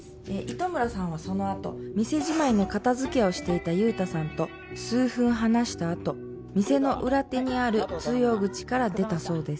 糸村さんはそのあと店じまいの片付けをしていた雄太さんと数分話したあと店の裏手にある通用口から出たそうです